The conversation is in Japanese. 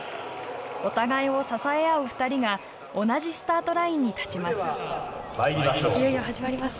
お互いを支え合う２人が同じスタートラインに立ちます。